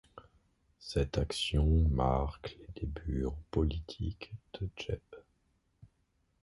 Cette action marque les débuts en politique de Jeb.